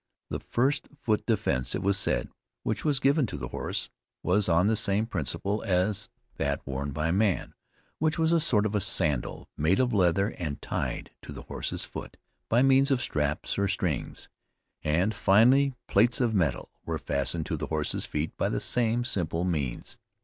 The first foot defense, it is said, which was given to the horse, was on the same principle as that worn by man, which was a sort of sandal, made of leather and tied to the horse's foot, by means of straps or strings. And finally plates of metal were fastened to the horse's feet by the same simple means.